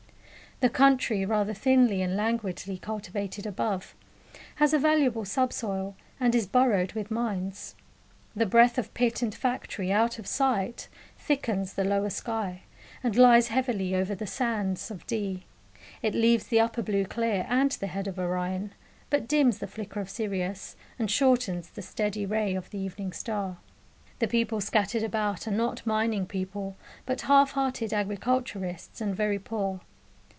The country, rather thinly and languidly cultivated above, has a valuable sub soil, and is burrowed with mines; the breath of pit and factory, out of sight, thickens the lower sky, and lies heavily over the sands of Dee. It leaves the upper blue clear and the head of Orion, but dims the flicker of Sirius and shortens the steady ray of the evening star. The people scattered about are not mining people, but half hearted agriculturists, and very poor.